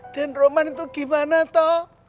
den roman itu gimana toh